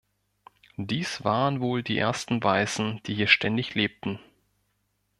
Dies waren wohl die ersten Weißen, die hier ständig lebten.